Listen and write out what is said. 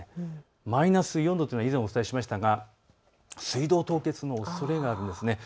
マイナス４度というのは以前お伝えしましたが水道凍結のおそれがあるんです。